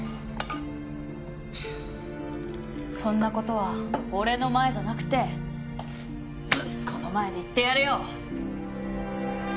そんな事は俺の前じゃなくて息子の前で言ってやれよ。